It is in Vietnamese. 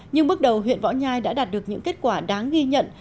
nhưng bước đầu huyện võ nhai đã đạt được những kết quả đáng ghi nhận